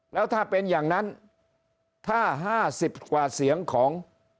แล้วถ้าเป็นอย่างนั้นถ้า๕๐กว่าเสียงของ